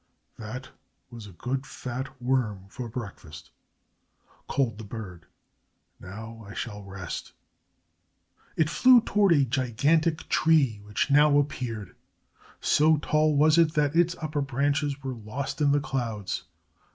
"That was a good fat worm for breakfast," called the bird. "Now I shall rest." It flew toward a gigantic tree which now appeared. So tall was it that its upper branches were lost in the clouds.